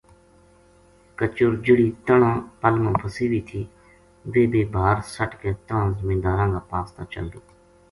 کچر جہڑی تنہاں پل ما پھسی وی تھی ویہ بے بھا ر سٹ کے تنہاں زمینداراں کا پاس تا چل گئی